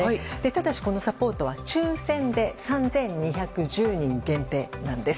ただし、このサポートは抽選で３２１０人限定なんです。